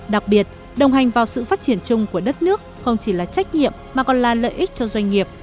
đặc biệt đồng hành vào sự phát triển chung của đất nước không chỉ là trách nhiệm mà còn là lợi ích cho doanh nghiệp